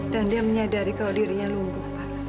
dan dia menyadari kalau dirinya lumpuh pak